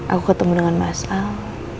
aku ketemu dengan mas al